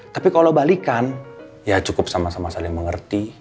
tapi kalau balikan ya cukup sama sama saling mengerti